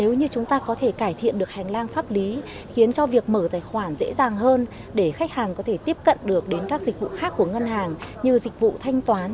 nếu như chúng ta có thể cải thiện được hành lang pháp lý khiến cho việc mở tài khoản dễ dàng hơn để khách hàng có thể tiếp cận được đến các dịch vụ khác của ngân hàng như dịch vụ thanh toán